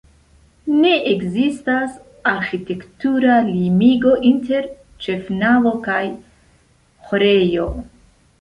Ne ekzistas arĥitektura limigo inter ĉefnavo kaj ĥorejo.